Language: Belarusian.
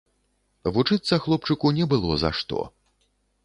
Вучыцца хлопчыку не было за што.